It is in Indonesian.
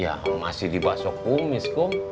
ya masih dibasok kumis kum